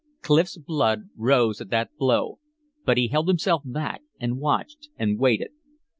Clif's blood rose at that blow, but he held himself back and watched and waited.